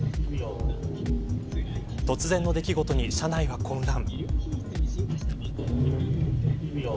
突然の出来事に車内は混乱。